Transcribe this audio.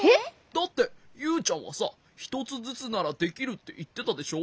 だってユウちゃんはさひとつずつならできるっていってたでしょ？